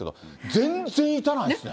全然痛ないですね。